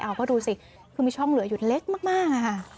เอาก็ดูสิคือมีช่องเหลืออยู่เล็กมากอะค่ะ